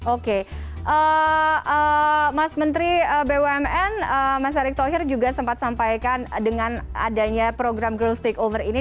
oke mas menteri bumn mas erick thohir juga sempat sampaikan dengan adanya program girld stakeholder ini